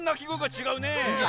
ちがうね。